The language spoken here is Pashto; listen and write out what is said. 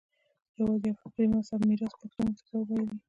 یوازې یوه فکري مذهب میراث پوښتنو ته ځواب نه ویلای